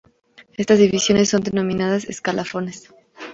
Estas divisiones son denominadas "Escalafones".